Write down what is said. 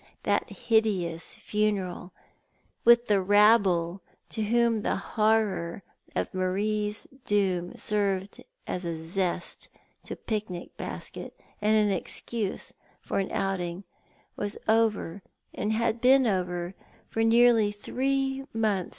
That hideous funeral, with the rabble to whom the horror of Marie's doom served as a zest to a pic nic basket and an excuse for an outing, was over, had been over for nearly three months.